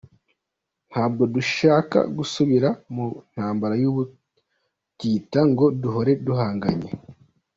Ntabwo dushaka gusubira mu ntambara y’ubutita ngo duhore duhanganye.